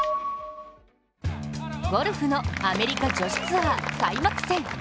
ゴルフのアメリカ女子ツアー、開幕戦。